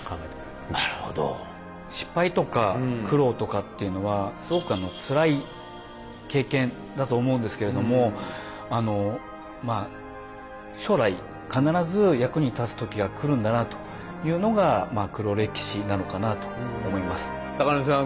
失敗とか苦労とかっていうのはすごくつらい経験だと思うんですけれども将来必ず役に立つ時がくるんだなというのが黒歴史なのかなと思います。